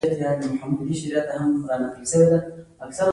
د اغیزمنو خبرو لپاره مناسب چینل انتخاب کړئ.